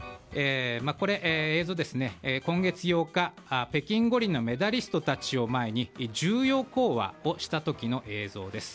映像ですが、今月８日北京五輪のメダリストを前に重要講話をした時の映像です。